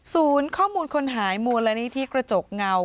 ศูนย์ข้อมูลคนหายมูลและนิทธิกระจกเงา